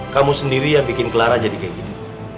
kamu sendiri yang bikin clara jadi kayak gitu